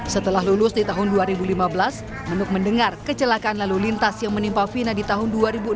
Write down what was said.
setelah lulus di tahun dua ribu lima belas nuk mendengar kecelakaan lalu lintas yang menimpa fina di tahun dua ribu enam belas